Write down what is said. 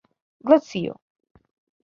glacio